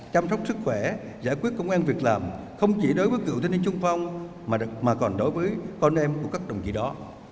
chăm sóc sức khỏe giải quyết công an việc làm không chỉ đối với cựu thanh niên trung phong mà còn đối với con em của các đồng chí đó